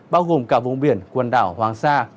bao gồm cả vùng biển quần đảo hoàng sa